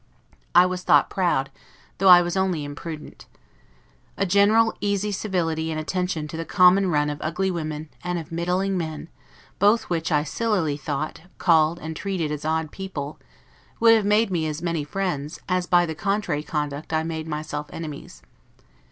I was thought proud, though I was only imprudent. A general easy civility and attention to the common run of ugly women, and of middling men, both which I sillily thought, called, and treated, as odd people, would have made me as many friends, as by the contrary conduct I made myself enemies.